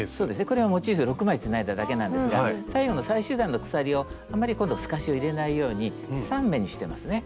これはモチーフ６枚つないだだけなんですが最後の最終段の鎖をあんまり今度透かしを入れないように３目にしてますね。